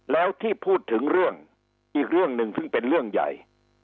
แล้วที่พูดถึงเรื่องอีกเรื่องหนึ่งซึ่งเป็นเรื่องใหญ่